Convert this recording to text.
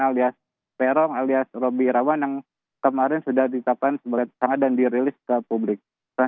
alias peron alias roby rawan yang kemarin sudah ditetapkan sebagai tersangka dan dirilis ke publik